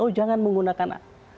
oh jangan menggunakan